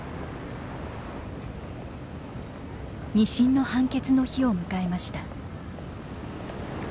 ２審の判決の日を迎えました。